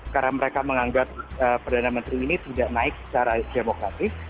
karena mereka menganggap perdana menteri ini tidak naik secara demokratis